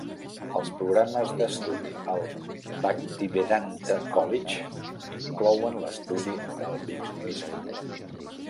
Els programes d'estudi al Bhaktivedanta College inclouen l'estudi del vixnuisme.